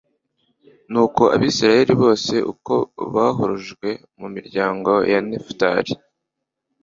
nuko abayisraheli bose uko bahurujwe mu miryango ya nefutali